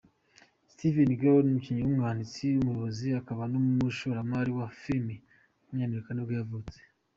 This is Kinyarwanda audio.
Steve Carell, umukinnyi, umwanditsi, umuyobozi akaba n’umushoramari wa film w’umunyamerika nibwo yavutse.